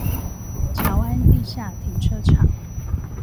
僑安地下停車場